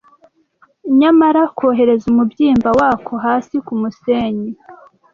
Nyamara kohereza umubyimba wako hasi ku musenyi